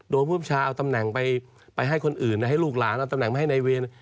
ผู้ประชาเอาตำแหน่งไปให้คนอื่นให้ลูกหลานเอาตำแหน่งมาให้นายเวร